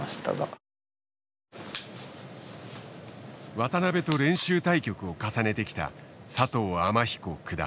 渡辺と練習対局を重ねてきた佐藤天彦九段。